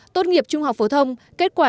tốt nghiệp trung học phổ thông kết quả